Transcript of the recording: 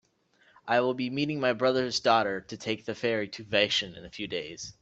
I will be meeting my brother's daughter to take the ferry to Vashon for a few days.